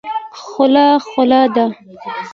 خوله خوله ده.